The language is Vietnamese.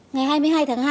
ngày hai mươi hai tháng hai